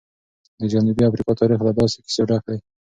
د جنوبي افریقا تاریخ له داسې کیسو ډک دی.